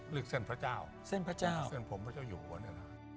เรียกเส้นพระเจ้าเส้นพระเจ้าเส้นผมพระเจ้าอยู่บนเอง